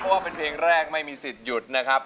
เพราะว่าเป็นเพลงแรกไม่มีสิทธิ์หยุดนะครับ